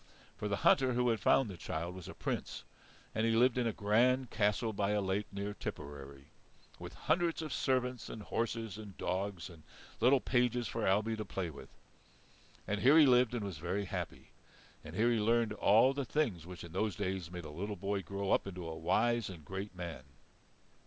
For the hunter who had found the child was a Prince, and he lived in a grand castle by a lake near Tipperary, with hundreds of servants and horses and dogs and little pages for Ailbe to play with. And here he lived and was very happy; and here he learned all the things which in those days made a little boy grow up into a wise and great man.